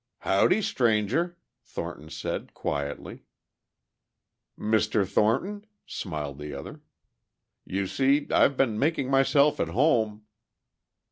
"Howdy, Stranger," Thornton said quietly. "Mr. Thornton?" smiled the other. "You see I've been making myself at home."